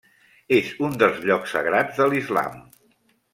És un dels llocs sagrats de l'islam.